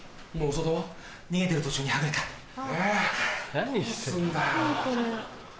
長田何してんだよ